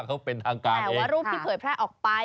เขาเป็นทางกลางเองแต่ว่ารูปพิเผยพระออกไป